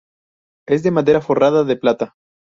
Es de madera forrada de plata.